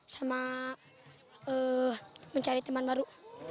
sama mencari teman baru